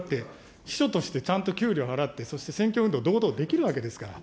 秘書としてちゃんと給料払って、そして選挙運動、堂々できるわけですから。